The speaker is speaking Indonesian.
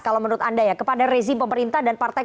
kalau menurut anda ya kepada rezim pemerintah dan partai